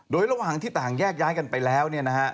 โดยระหว่างที่ต่างแยกย้ายกันไปแล้วเนี่ยนะฮะ